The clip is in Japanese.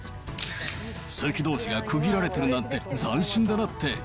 席どうしが区切られてるなんて斬新だなって。